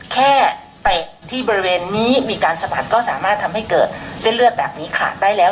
เตะที่บริเวณนี้มีการสะบัดก็สามารถทำให้เกิดเส้นเลือดแบบนี้ขาดได้แล้ว